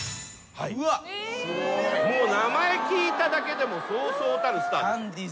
もう名前聞いただけでもそうそうたるスターです。